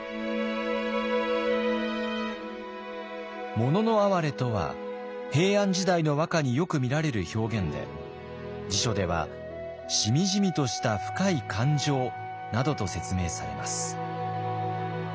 「もののあはれ」とは平安時代の和歌によく見られる表現で辞書では「しみじみとした深い感情」などと説明されます。